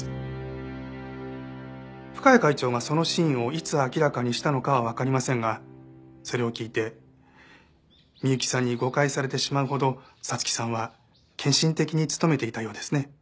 深谷会長がその真意をいつ明らかにしたのかはわかりませんがそれを聞いて美幸さんに誤解されてしまうほど彩月さんは献身的に務めていたようですね。